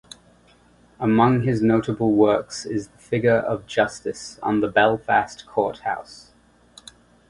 Among his notable works is the figure of Justice on the Belfast courthouse.